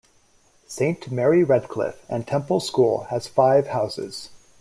Saint Mary Redcliffe and Temple School has five houses.